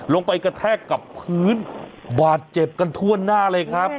กระแทกกับพื้นบาดเจ็บกันทั่วหน้าเลยครับ